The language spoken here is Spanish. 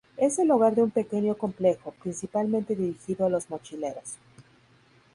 Es el hogar de un pequeño complejo, principalmente dirigido a los mochileros.